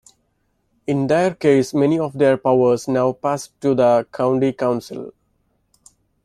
In their case many of their powers now passed to the county council.